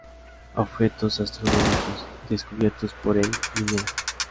Objetos astronómicos descubiertos por el Linear